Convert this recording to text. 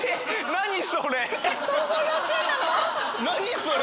何それ？